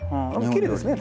きれいですね